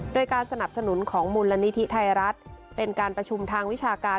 โดยการสนับสนุนของมูลนิธิไทยรัฐเป็นการประชุมทางวิชาการ